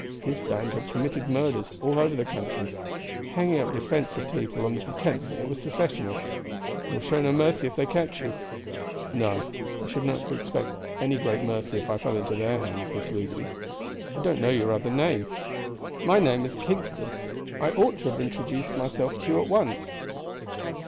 His band have committed murders all over the country, hanging up defenseless people on pretense that they were Secessionists. They will show you no mercy if they catch you." "No. I should not expect any great mercy if I fell into their hands, Miss Lucy. I don't know your other name." "My name is Kingston. I ought to have introduced myself to you at once."